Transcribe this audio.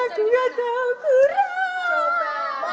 aku gak tahu kurang